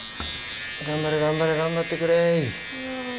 頑張れ頑張れ頑張ってくれ。